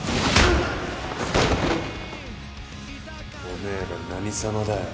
おめえら何様だよ。